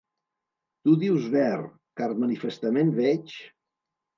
Tu dius ver, car manifestament veig...